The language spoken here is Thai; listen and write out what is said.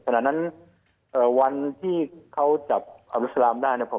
ฉะนั้นวันที่เขาจับอับรุษลามได้นะครับ